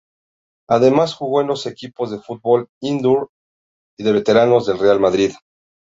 Además, jugó en los equipos de fútbol indoor y de veteranos del Real Madrid.